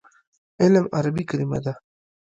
علم عربي کلمه ده.